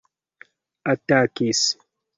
atakis